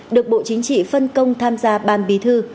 được bộ chính trị phân công tham gia ban bí thư